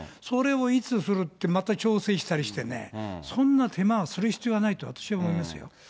それをいつするってまた調整したりしてね、そんな手間はする必要はないと私は思いますよ。